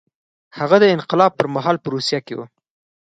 هغه د انقلاب پر مهال په روسیه کې و.